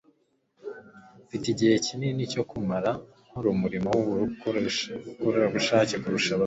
mfite igihe kinini cyo kumara nkora umurimo w'ubukorerabushake kurusha ababyeyi.